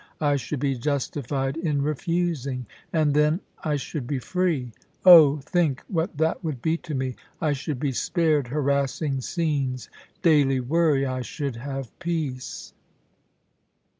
I should be justified in refusing. ... And then I should be free. Oh, think what that would be to me ! I should be spared harassing scenes — daily worry, I should have peace.